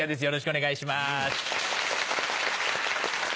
よろしくお願いします。